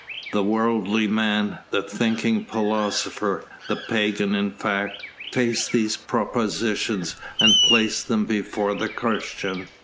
The worldly man, the thinking philosopher, the pagan in fact, faced these propositions and placed them before the Christian.